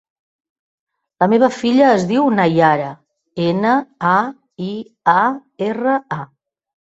La meva filla es diu Naiara: ena, a, i, a, erra, a.